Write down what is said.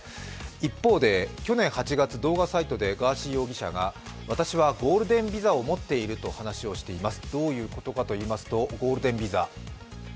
一方で、去年８月、動画サイトで動画サイトでガーシー容疑者、私はゴールデンビザを持っているという話をしています。